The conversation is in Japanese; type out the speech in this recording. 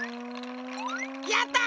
やった！